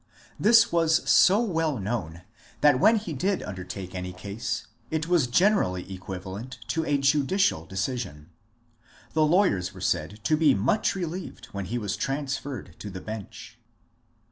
This was so well known that when he did 40 MONCUEE DANIEL CX)NWAY undertake any case it was generally equivalent to a judicial decision. The lawyers were said to be much relieved when he was transferred to the bench.